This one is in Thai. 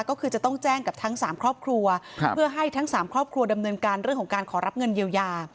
ก็คือจะต้องแจ้งกับทั้งสามครอบครัวเพื่อให้ทั้งสามครอบครัวดำเนินการเรื่องของการขอรับเงินเยียวยา